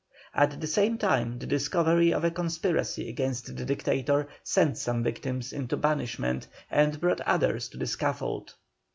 At the same time the discovery of a conspiracy against the Dictator sent some victims into banishment, and brought others to the scaffold.